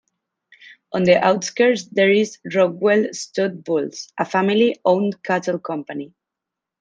On the outskirts there is "Rockwell Stud Bulls," a family owned cattle company.